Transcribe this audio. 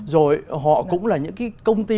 rồi họ cũng là những cái công ty